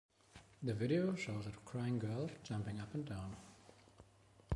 The video shows a crying girl jumping up and down.